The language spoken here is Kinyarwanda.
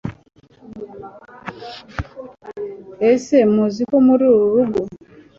ese muzi ko muri uru rugo